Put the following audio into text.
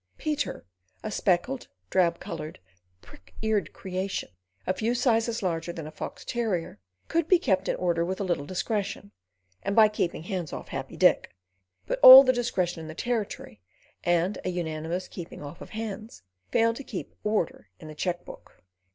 Peter—a speckled, drab coloured, prick eared creation, a few sizes larger than a fox terrier—could be kept in order with a little discretion, and by keeping hands off Happy Dick; but all the discretion in the Territory, and a unanimous keeping off of hands, failed to keep order in the cheque book.